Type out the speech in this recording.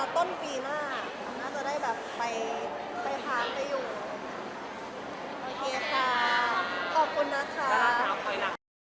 ก็คือเอาอยู่ที่เรารู้สึกมาอยู่ตรงนั้น